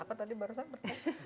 apa tadi baru sampai